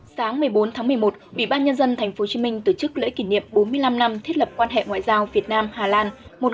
sáng một mươi bốn một mươi một ủy ban nhân dân tp hcm tổ chức lễ kỷ niệm bốn mươi năm năm thiết lập quan hệ ngoại giao việt nam hà lan một nghìn chín trăm bảy mươi ba hai nghìn một mươi tám